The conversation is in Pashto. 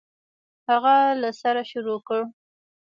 هغه له سره شروع کړ.